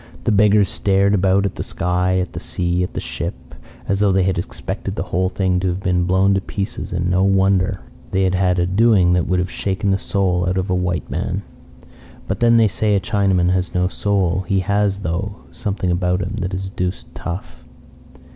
The beggars stared about at the sky, at the sea, at the ship, as though they had expected the whole thing to have been blown to pieces. And no wonder! They had had a doing that would have shaken the soul out of a white man. But then they say a Chinaman has no soul. He has, though, something about him that is deuced tough.